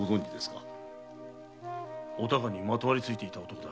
お孝にまとわりついていた男だ。